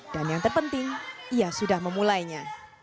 dan yang terpenting ia sudah memulainya